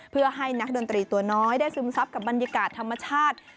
เพื่อให้นักดนตรีตัวน้อยได้ซึมซับกับบรรยากาศธรรมชาติ